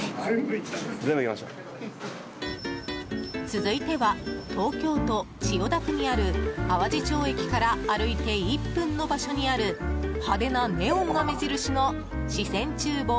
続いては東京都千代田区にある淡路町駅から歩いて１分の場所にある派手なネオンが目印の四川厨房